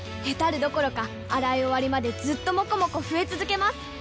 ヘタるどころか洗い終わりまでずっともこもこ増え続けます！